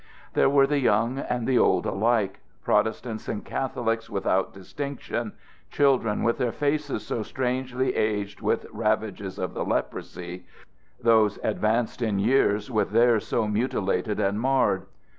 There were the young and the old alike, Protestants and Catholics without distinction, children with their faces so strangely aged with ravages of the leprosy, those advanced in years with theirs so mutilated and marred.